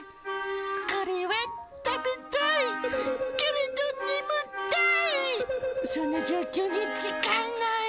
これは食べたい、だけど眠たい。